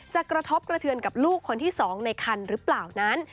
กระทบกระเทือนกับลูกคนที่๒ในคันหรือเปล่านั้น